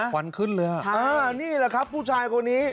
วันขึ้นเลยฮะนี่แหละครับผู้ชายคนนี้